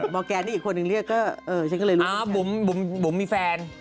มแกนนี่อีกคนนึงเรียกก็ฉันก็เลยรู้ว่าอ่าบุ๋มมีแฟน